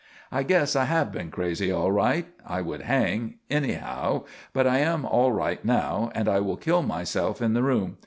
_ "_I guess I have been crazy all right. I would hang anyhow. But I am all right now and I will kill myself in the room.